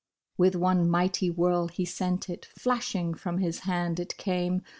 With one mighty whirl he sent it ; flashing from his hand it came.